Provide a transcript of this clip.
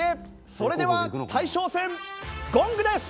それでは大将戦ゴングです！